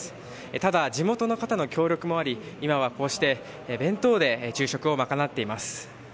ただ、地元の方の協力もあり今はこうして弁当で昼食を賄っています。